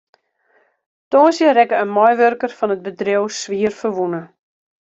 Tongersdei rekke in meiwurker fan it bedriuw swierferwûne.